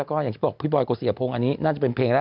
แล้วก็แบบพี่บอยกระเป๋าเสียพงอันนี้น่าจะเป็นเพลงแล้ว